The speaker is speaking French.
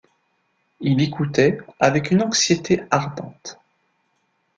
Il écoutait avec une anxiété ardente.